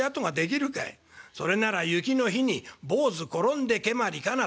それなら『雪の日に坊主転んで蹴鞠かな』